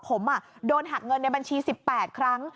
ผมโดนหักเงินในบัญชี๑๘ครั้ง